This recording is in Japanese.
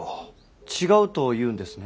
違うというんですね？